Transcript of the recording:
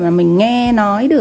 mà mình nghe nói